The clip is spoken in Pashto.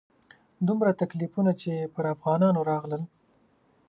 دومره تکلیفونه چې پر افغانانو راغلل.